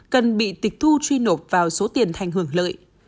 cần bị tịch thu truy nộp vào số tiền thành hưởng lợi